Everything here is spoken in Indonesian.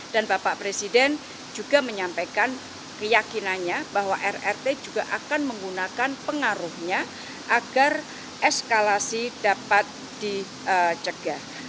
dan bapak presiden juga menyampaikan keyakinannya bahwa rrt juga akan menggunakan pengaruhnya agar eskalasi dapat dicegah